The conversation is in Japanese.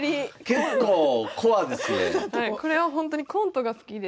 結構これはほんとにコントが好きで。